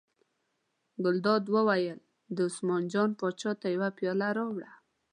ګلداد وویل: دې عثمان جان پاچا ته یوه پیاله راوړه.